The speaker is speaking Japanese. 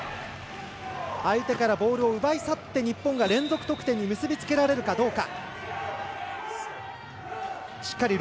相手からボールを奪い去って日本が連続得点に結び付けられるかどうか。